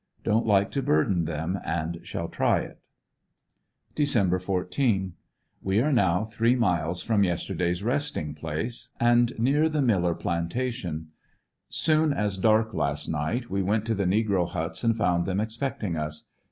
Don't like to burden them and shall try it. Dec. 14. — We are now three miles from yesterday's resting place, FmAL ESCAPE, 141 and near the Miller plantation. Soon as dark last night we went to the negro huts and found them expecting us.